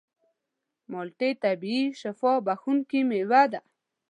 مالټې طبیعي شفا بښونکې مېوه ده.